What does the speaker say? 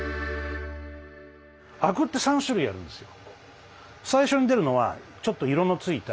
アクって３種類あるんですよ。